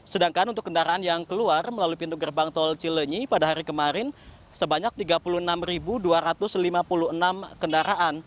sedangkan untuk kendaraan yang keluar melalui pintu gerbang tol cilenyi pada hari kemarin sebanyak tiga puluh enam dua ratus lima puluh enam kendaraan